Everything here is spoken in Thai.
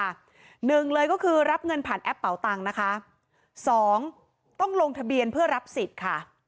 หนึ่งเลยก็คือรับเงินผ่านแอปเป่าตังค์นะคะสองต้องลงทะเบียนเพื่อรับสิทธิ์ค่ะ